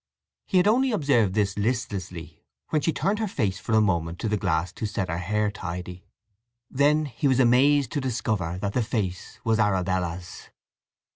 He had only observed this listlessly, when she turned her face for a moment to the glass to set her hair tidy. Then he was amazed to discover that the face was Arabella's.